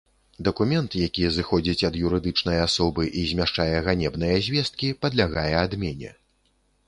Дакумент, які зыходзіць ад юрыдычнай асобы і змяшчае ганебныя звесткі, падлягае адмене.